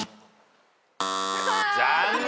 残念。